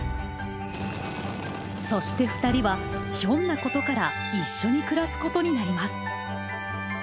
そしてふたりはひょんなことから一緒に暮らすことになります！